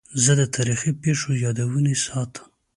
زه د تاریخي پیښو یادونې ساتم.